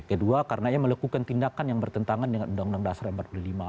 kedua karena ia melakukan tindakan yang bertentangan dengan undang undang dasar empat puluh lima